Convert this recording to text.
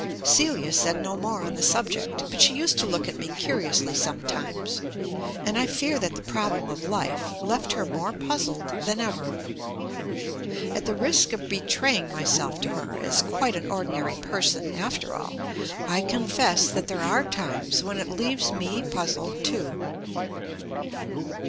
Celia said no more on the subject, but she used to look at me curiously sometimes, and I fear that the problem of life left her more puzzled than ever. At the risk of betraying myself to her as "quite an ordinary person after all" I confess that there are times when it leaves me puzzled too.